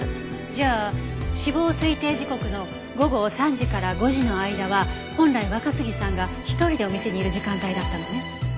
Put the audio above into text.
じゃあ死亡推定時刻の午後３時から５時の間は本来若杉さんが一人でお店にいる時間帯だったのね。